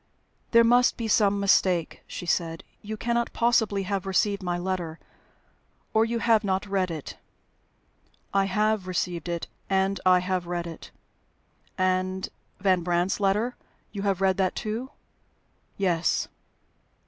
"There must be some mistake," she said. "You cannot possibly have received my letter, or you have not read it?" "I have received it, and I have read it." "And Van Brandt's letter you have read that too?" "Yes."